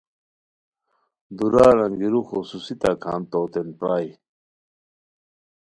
دُورار انگیرو خصوصی تکان توتین پرائے